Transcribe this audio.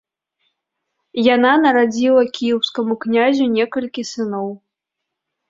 Яна нарадзіла кіеўскаму князю некалькі сыноў.